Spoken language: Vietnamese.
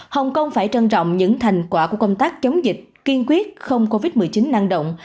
hồng kông phải trân trọng những thành quả của công tác chống dịch kiên quyết không covid một mươi chín năng động